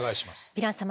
ヴィラン様